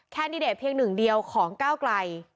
แนตเพียงหนึ่งเดียวของก้าวไกล